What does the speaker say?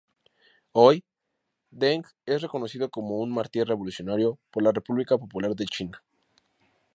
Hoy, Deng es reconocido como un mártir revolucionario por la República Popular de China.